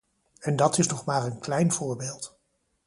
En dat is nog maar een klein voorbeeld.